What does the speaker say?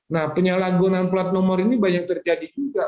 nah penyalahgunaan plat nomor ini banyak terjadi juga